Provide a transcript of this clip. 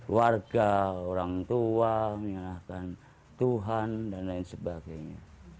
warga orang tua menyerahkan tuhan dan lain sebagainya